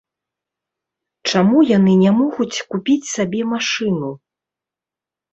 Чаму яны не могуць купіць сабе машыну?